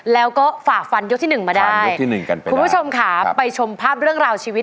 แล้วก็ฝากฟันยกที่๑มาได้คุณผู้ชมค่ะไปชมภาพเรื่องราวชีวิต